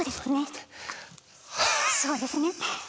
そうですね。